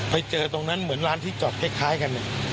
ไปเจอตรงนั้นเหมือนร้านที่จอดคล้ายกัน